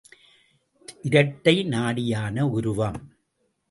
இரட்டை நாடியான உருவம்.